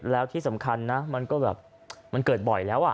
แล้วที่สำคัญนะมันก็แบบมันเกิดบ่อยแล้ว